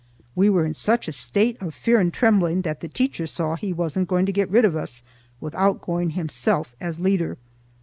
We were in such a state of fear and trembling that the teacher saw he wasn't going to get rid of us without going himself as leader.